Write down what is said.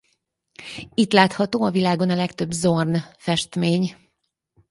Itt látható a világon a legtöbb Zorn-festmény.